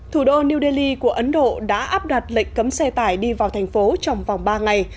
thủ đô new delhi của ấn độ đã áp đặt lệnh cấm xe tải đi vào thành phố trong vòng ba ngày